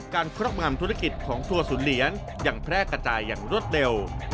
ครอบงำธุรกิจของทัวร์ศูนย์เหรียญยังแพร่กระจายอย่างรวดเร็ว